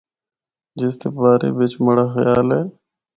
جس دے بارے بچ مڑا خیال ہے۔